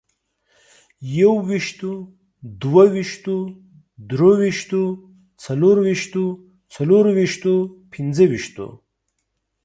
يوويشتو، دوه ويشتو، درويشتو، څلرويشتو، څلورويشتو، پنځه ويشتو